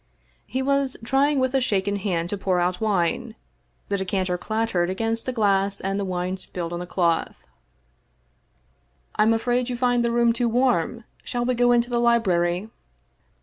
He was try ing with a shaken hand to pour out wine. The decanter clattered against the glass and the wine spilled on the cloth. 269 English Mystery Stories " Fm afraid you find the room too warm. Shall we go into the library?"